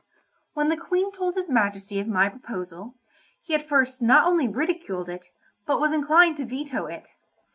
When the Queen told his Majesty of my proposal, he at first not only ridiculed it, but was inclined to veto it.